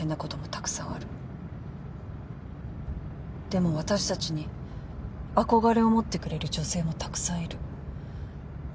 でも私たちに憧れを持ってくれる女性もたくさんいる。